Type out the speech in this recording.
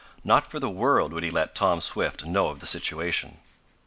Not for the world would he let Tom Swift know of the situation.